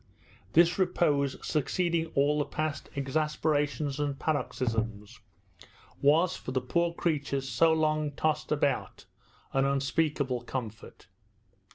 This repose succeeding all the past exasperations and paroxysms was, for the poor creatures so long tossed about, an unspeakable comfort.